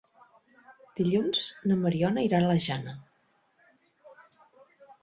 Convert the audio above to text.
Dilluns na Mariona irà a la Jana.